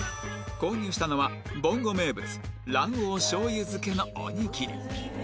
購入したのはぼんご名物卵黄醤油漬けのおにぎり